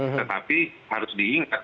tetapi harus diingat